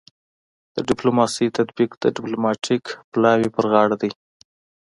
د ډیپلوماسي تطبیق د ډیپلوماتیک پلاوي په غاړه دی